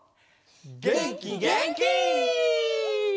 げんきげんき！